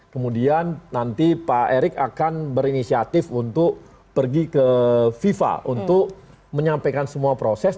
kemudian nanti pak erick akan berinisiatif untuk pergi ke fifa untuk menyampaikan semua proses